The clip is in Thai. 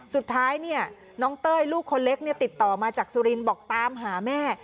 สุดท้ายเนี่ยน้องเต้ยลูกคนเล็กติดต่อมาจากสุรินทร์บอกตามหาแม่